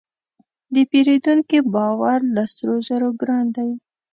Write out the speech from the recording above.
د پیرودونکي باور له سرو زرو ګران دی.